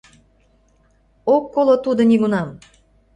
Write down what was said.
Ок коло тудо нигунам!